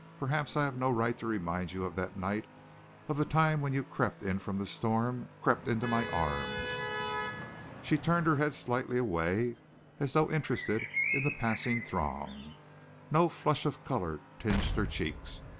"Perhaps I have no right to remind you of that night, of the time when you crept in from the storm, crept into my arms." She turned her head slightly away, as though interested in the passing throng. No flush of color tinged her cheeks.